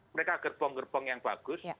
mereka gerbong gerbong yang bagus